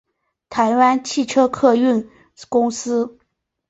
台湾汽车客运公司